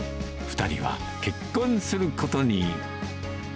２人は結婚することに。